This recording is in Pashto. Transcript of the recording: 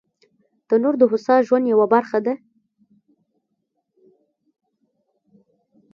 تنور د هوسا ژوند یوه برخه ده